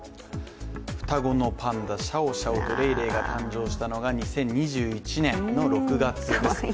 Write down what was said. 双子のパンダ、シャオシャオとレイレイが誕生したのが２０２１年の６月です。